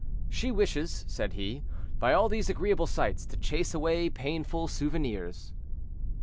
"She wishes," said he, "by all these agreeable sights to chase away painful souvenirs."